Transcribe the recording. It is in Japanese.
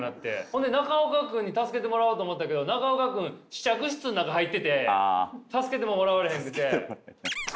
ほんで中岡君に助けてもらおうと思ったけど中岡君試着室の中入ってて助けてももらわれへんくて。